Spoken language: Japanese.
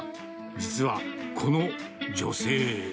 実はこの女性。